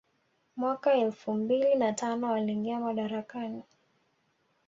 Mwaka elfu mbili na tano aliingia madarakani